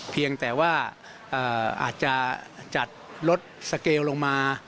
เพียงแต่ว่าอาจจะจัดรถสเกลลงมา